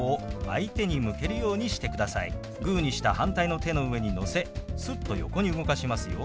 グーにした反対の手の上にのせすっと横に動かしますよ。